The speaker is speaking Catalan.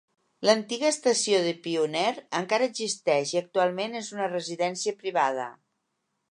L'antiga estació de Pioneer encara existeix i actualment és una residència privada.